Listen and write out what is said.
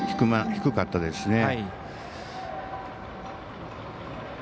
低かったですしね。